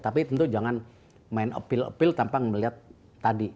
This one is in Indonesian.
tapi tentu jangan main mencoba tanpa melihat tadi